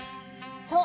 そう！